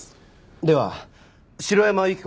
では城山由希子は。